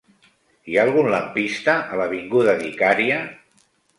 Hi ha algun lampista a l'avinguda d'Icària?